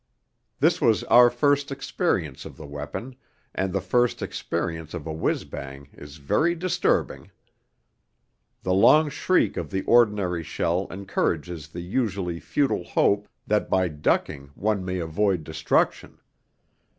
This was our first experience of the weapon, and the first experience of a whizz bang is very disturbing. The long shriek of the ordinary shell encourages the usually futile hope that by ducking one may avoid destruction.